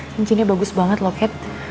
cincinnya bagus banget loh kat